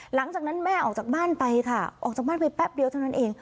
หลังจากนั้นแม่ออกจากบ้านไปค่ะออกจากบ้านไปแป๊บเดียวเท่านั้นเอง